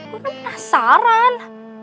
gue kan penasaran